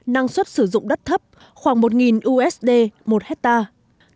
năng suất sử dụng đất thấp khoảng một usd một hectare